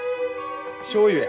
しょうゆや。